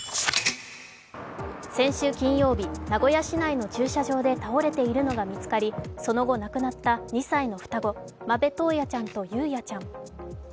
先週金曜日、名古屋市内の駐車場で倒れているのが見つかり、その後、亡くなった２歳の双子間部登也ちゃんと雄也ちゃん。